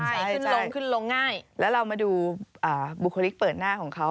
ใช่ขึ้นลงขึ้นลงง่ายแล้วเรามาดูบุคลิกเปิดหน้าของเขา